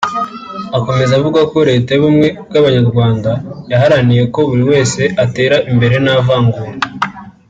Akomeza avuga ko Leta y’ubumwe bw’abanyarwanda yaharaniye ko buri wese atera imbere nta vangura